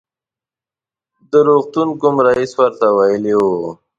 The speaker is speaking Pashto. د روغتون کوم رئیس ورته ویلي و.